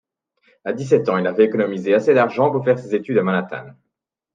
À dix-sept ans, il avait économisé assez d'argent pour faire ses études à Manhattan.